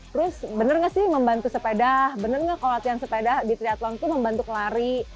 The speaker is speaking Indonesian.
terus bener gak sih membantu sepeda bener nggak kalau latihan sepeda di triathlon itu membantu lari